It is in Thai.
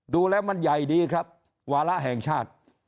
ดูแล้วมันใหญ่ดีครับวาระแห่งชาติ